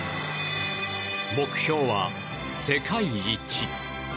目標は、世界一。